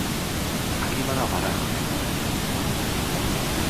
A qui va anar a parar finalment?